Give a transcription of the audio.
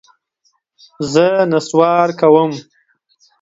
زه نسوار کوم.